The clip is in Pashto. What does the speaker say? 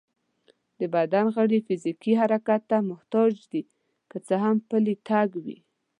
د بدن غړي فزيکي حرکت ته محتاج دي، که څه هم پلی تګ وي